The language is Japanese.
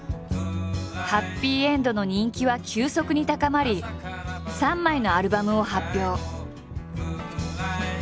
はっぴいえんどの人気は急速に高まり３枚のアルバムを発表。